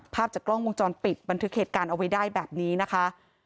ภาพจากกล้องวงจรปิดบันทึกเหตุการณ์เอาไว้ได้แบบนี้นะคะ